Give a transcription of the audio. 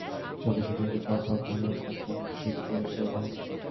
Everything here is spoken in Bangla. ছবির শ্যুটিং শুরু হওয়ার পর তিনি কত্থক শিখতে শুরু করেন।